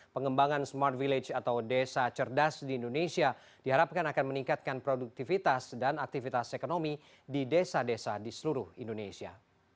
pengembangan smart village atau desa cerdas di indonesia diharapkan akan meningkatkan produktivitas dan aktivitas ekonomi di desa desa di seluruh indonesia